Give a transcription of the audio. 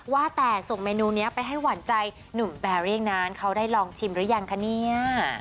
ว่าแต่ส่งเมนูนี้ไปให้หวานใจหนุ่มแบรี่งนั้นเขาได้ลองชิมหรือยังคะเนี่ย